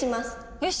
よし！